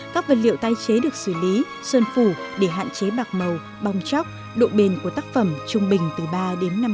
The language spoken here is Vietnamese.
các vật liệu tái chế được xử lý sơn phủ để hạn chế bạc màu bong chóc độ bền của tác phẩm trung bình từ ba đến năm mươi